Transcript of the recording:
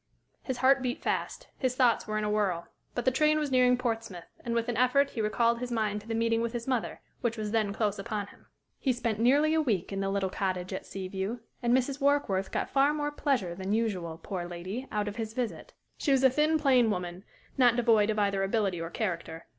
His heart beat fast; his thoughts were in a whirl. But the train was nearing Portsmouth, and with an effort he recalled his mind to the meeting with his mother, which was then close upon him. He spent nearly a week in the little cottage at Sea View, and Mrs. Warkworth got far more pleasure than usual, poor lady, out of his visit. She was a thin, plain woman, not devoid of either ability or character.